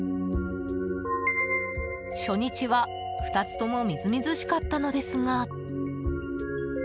初日は２つともみずみずしかったのですが。